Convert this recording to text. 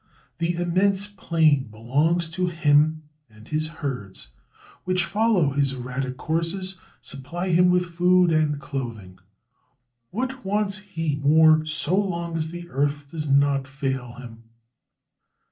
The immense plain belongs to him, and his herds, which follow his erratic courses, supply him with food and clothing. What wants he more, so long as the earth does not fail him?"